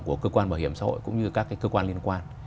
của cơ quan bảo hiểm xã hội cũng như các cơ quan liên quan